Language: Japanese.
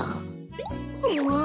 うわ！